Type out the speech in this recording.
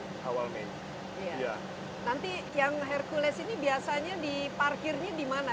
nanti yang hercules ini biasanya diparkirnya di mana